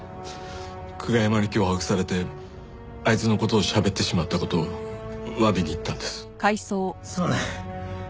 久我山に脅迫されてあいつの事をしゃべってしまった事をわびに行ったんです。